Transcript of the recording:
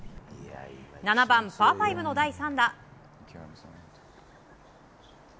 ７番、パー５の第３打。